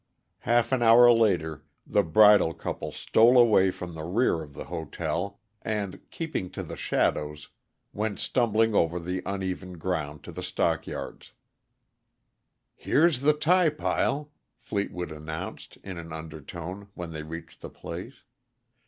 Half an hour later the bridal couple stole away from the rear of the hotel, and, keeping to the shadows, went stumbling over the uneven ground to the stockyards. "Here's the tie pile," Fleetwood announced, in an undertone, when they reached the place.